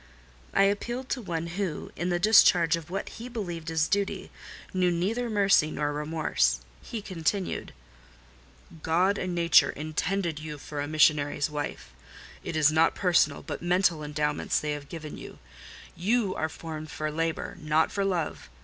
I appealed to one who, in the discharge of what he believed his duty, knew neither mercy nor remorse. He continued— "God and nature intended you for a missionary's wife. It is not personal, but mental endowments they have given you: you are formed for labour, not for love.